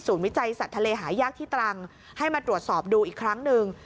วิจัยสัตว์ทะเลหายากที่ตรังให้มาตรวจสอบดูอีกครั้งหนึ่ง